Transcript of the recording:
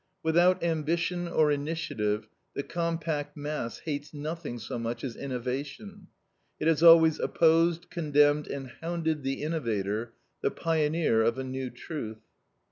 Without ambition or initiative, the compact mass hates nothing so much as innovation. It has always opposed, condemned, and hounded the innovator, the pioneer of a new truth.